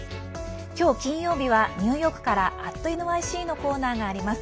今日、金曜日はニューヨークから「＠ｎｙｃ」のコーナーがあります。